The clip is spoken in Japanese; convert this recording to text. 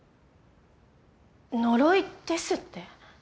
呪いですって？